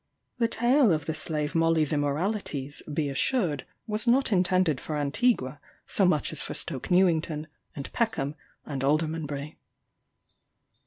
The tale of the slave Molly's immoralities, be assured, was not intended for Antigua so much as for Stoke Newington, and Peckham, and Aldermanbury.